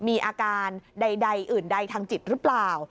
มีอาการใดอื่นใดทางจิตหรือเปล่า